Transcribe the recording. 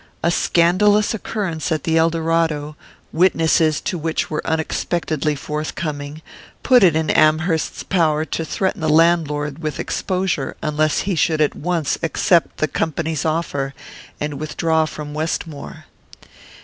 A scandalous occurrence at the Eldorado, witnesses to which were unexpectedly forthcoming, put it in Amherst's power to threaten the landlord with exposure unless he should at once accept the company's offer and withdraw from Westmore.